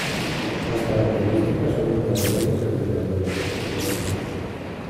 Las características son intermedias entre las de los otros dos tipos.